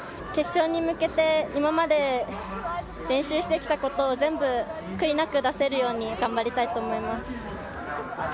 決勝に向けて、今まで練習してきたことを全部、悔いなく出せるように頑張りたいと思います。